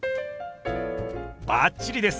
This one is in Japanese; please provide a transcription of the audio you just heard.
バッチリです！